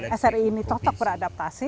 jadi sri ini tetap beradaptasi